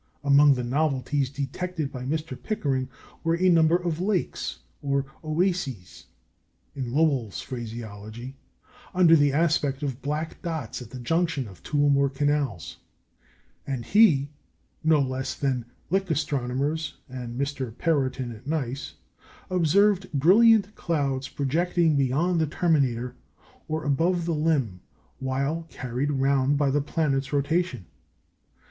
Among the novelties detected by Mr. Pickering were a number of "lakes," or "oases" (in Lowell's phraseology), under the aspect of black dots at the junctions of two or more canals; and he, no less than the Lick astronomers and M. Perrotin at Nice, observed brilliant clouds projecting beyond the terminator, or above the limb, while carried round by the planet's rotation.